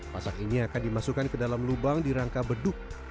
pasak ini akan dimasukkan ke dalam lubang di rangka beduk